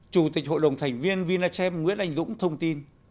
chủ tịch hội đồng thành viên vinachem nguyễn anh dũng thông tin